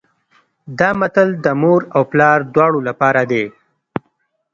دا متل د مور او پلار دواړو لپاره دی